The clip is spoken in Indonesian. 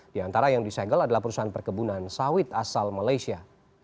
di antara yang disegel adalah perusahaan perkebunan sawit asal malaysia